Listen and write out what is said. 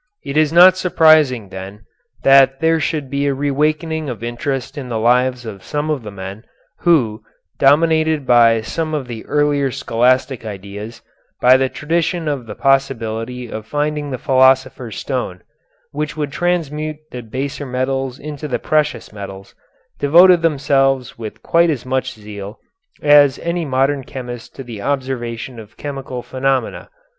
It is not surprising, then, that there should be a reawakening of interest in the lives of some of the men, who, dominated by some of the earlier scholastic ideas, by the tradition of the possibility of finding the philosopher's stone, which would transmute the baser metals into the precious metals, devoted themselves with quite as much zeal as any modern chemist to the observation of chemical phenomena.